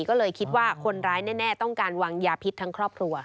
ก็เลยคิดว่าคนร้ายแน่ต้องการวางยาพิษทั้งครอบครัว